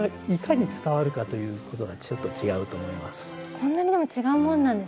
こんなにでも違うもんなんですね。